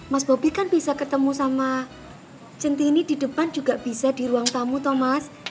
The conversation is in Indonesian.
mas bobi kan bisa ketemu sama centini di depan juga bisa di ruang tamu tomas